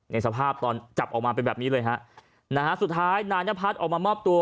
ในสภาพตอนจับออกมาเป็นแบบนี้เลยฮะนะฮะสุดท้ายนายนพัฒน์ออกมามอบตัว